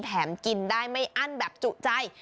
แถมกินได้ไม่อั้นแบบจุใจ